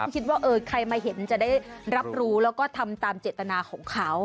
คิดว่าใครมาเห็นจะได้รับรู้แล้วก็ทำตามเจตนาของเขา